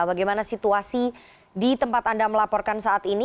bagaimana situasi di tempat anda melaporkan saat ini